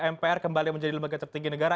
mpr kembali menjadi lembaga tertinggi negara